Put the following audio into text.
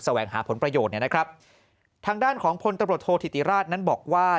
แสวงหาผลประโยชน์นะครับทางด้านของพลตบทธิติราชนั้นบอกว่า